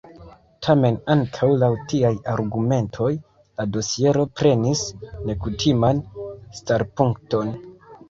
Tamen ankaŭ laŭ tiaj argumentoj la dosiero prenis nekutiman starpunkton.